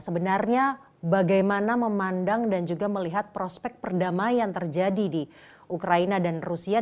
sebenarnya bagaimana memandang dan juga melihat prospek perdamaian terjadi di ukraina dan rusia